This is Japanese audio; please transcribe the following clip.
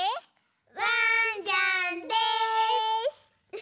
ワンジャンです！